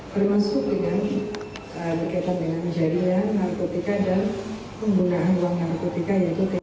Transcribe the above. termasuk dengan kaitan dengan jadinya narkotika dan penggunaan uang narkotika